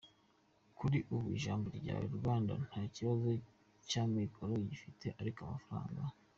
kuri ubu Ijabo Ryawe Rwanda nta kibazo cy’amikoro bafite kuko amafaranga